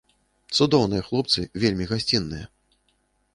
Цудоўныя хлопцы, вельмі гасцінныя.